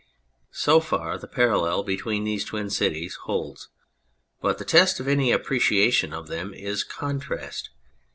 So far the parallel between these twin cities holds ; but the test of any appreciation of them is contrast.